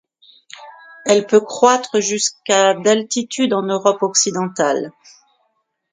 Elle peut croître jusqu'à d'altitude en Europe occidentale.